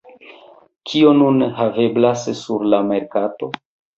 Kio nun haveblas sur la merkato?